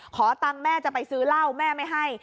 ขอตังค์แม่จะไปซื้อเหล้าแม่ไม่ให้